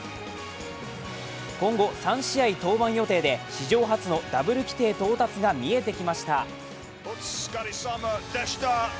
今後３試合登板予定で、史上初のダブル規定到達が見えてきました。